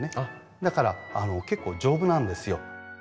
だから結構丈夫なんですよ。